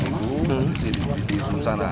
satu sisi di sana